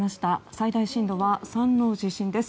最大震度は３の地震です。